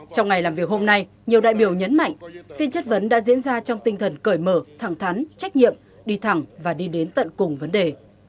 trong ngày làm việc hôm nay nhiều đại biểu nhấn mạnh phiên chất vấn đã diễn ra trong tinh thần cởi mở thẳng thắn trách nhiệm đi thẳng và đi đến tận cùng vấn đề